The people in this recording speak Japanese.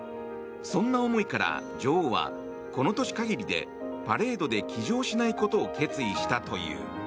そんな思いから女王はこの年限りでパレードで騎乗しないことを決意したという。